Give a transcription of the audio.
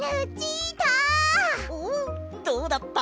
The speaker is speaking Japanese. おおどうだった？